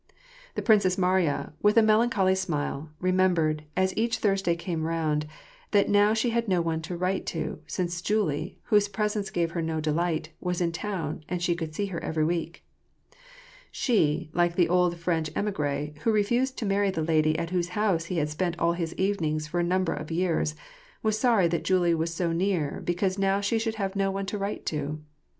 The Princess Mariya, with a melancholy smile, remembered, as each Thursday came round, that now she had no one to write to, since Julie, whose presence gave her no delight, was in town and she could see her every week. She, like the old French emigre who refused to marry tlie lady at whose house he had spent all his evenings for a numl^er of years, was sorry that Julie was so near because now she should have no one to write to.